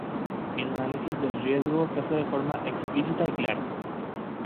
El análisis del riesgo se hace de forma explícita y clara.